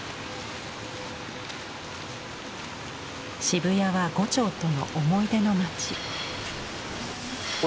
渋谷は牛腸との思い出の街。